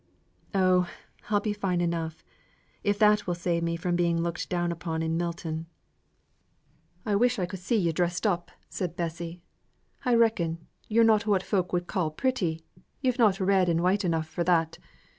"Oh! I'll be fine enough, if that will save me from being looked down upon in Milton." "I wish I could see you dressed up," said Bessy. "I reckon, yo're not what folk would ca' pretty; yo've not red and white enough for that.